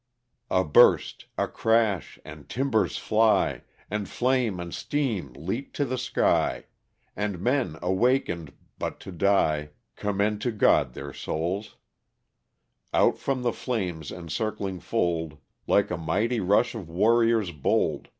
LOSS OF THE SULTANA. 13 A— buret a crash— and— timbers fly, And— flame— and— steam— leap to the sky, And— men awakenad— but to die Commend to God their souls. Out from the flame's encircling fold, Like a mighty rush of warriors bold.